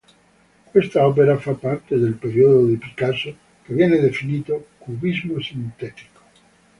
Questa opera fa parte del periodo di Picasso che viene definito:Cubismo sintetico